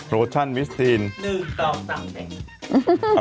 โลชั่นมิททำ